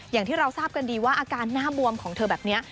อย่างที่เราทราบกันดีว่าอาการหน้าบวมของเธอแบบนี้